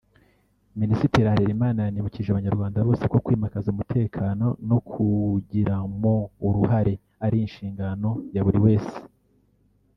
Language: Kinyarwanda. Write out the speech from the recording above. Minisitiri Harerimana yanibukije Abanyarwanda bose ko kwimakaza umutekano no kuwugiramo uruhare ari inshingano ya buri wese